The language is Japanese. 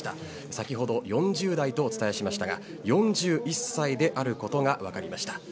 先ほど４０代とお伝えしましたが４１歳であることが分かりました。